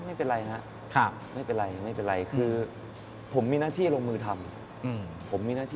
ไม่เป็นไรนะไม่เป็นไรคือผมมีหน้าที่ลงมือทำ